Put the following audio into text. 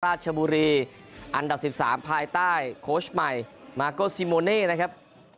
ราชบุรีอันดับ๑๓ภายใต้โค้ชใหม่มาโกซิโมเน่นะครับ